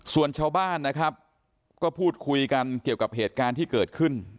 ส่วนชาวบ้านนะครับก็พูดคุยกันเกี่ยวกับเหตุการณ์ที่เกิดขึ้น